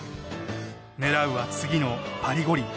狙うは次のパリ五輪。